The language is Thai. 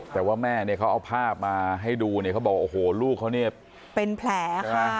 แต่ว่าแม่เขาเอาภาพมาให้ดูเขาบอกลูกเขาเป็นแผลค่ะ